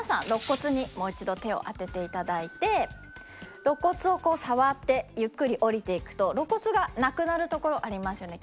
肋骨にもう一度手を当てて頂いて肋骨を触ってゆっくり下りていくと肋骨がなくなる所ありますよね。